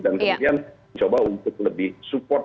dan kemudian mencoba untuk lebih support